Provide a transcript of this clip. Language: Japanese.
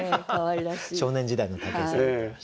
少年時代の武井壮でございました。